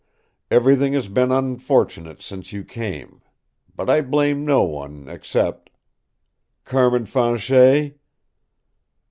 Everything has been unfortunate since you came. But I blame no one, except " "Carmin Fanchet?"